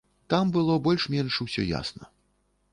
Там было больш-менш усё ясна.